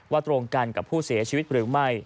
ตรงกันกับผู้เสียชีวิตหรือไม่